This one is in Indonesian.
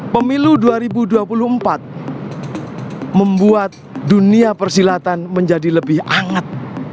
pemilu dua ribu dua puluh empat membuat dunia persilatan menjadi lebih hangat